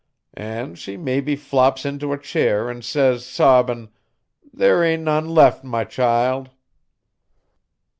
'An' she mebbe flops into a chair an' says, sobbin', "There ain' none left, my child."